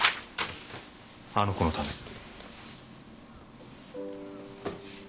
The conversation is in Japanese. あの子のために。